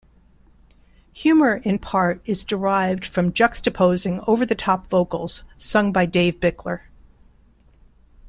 Humour in part is derived from juxtaposing over-the-top vocals sung by Dave Bickler.